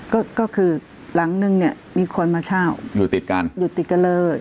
ก็คือหลังนึงเนี่ยมีคนมาเช่าอยู่ติดกันอยู่ติดกันเลย